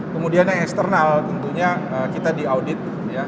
kemudian yang eksternal tentunya kita diaudit